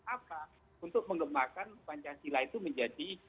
apa untuk mengembangkan pancasila itu menjadi